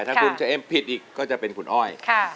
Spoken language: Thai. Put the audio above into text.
ถ้าคุณจะเอ็มผิดอีกก็จะเป็นคุณอ้อย